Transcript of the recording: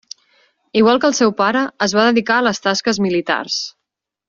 Igual que el seu pare, es va dedicar a les tasques militars.